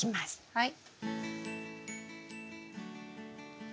はい。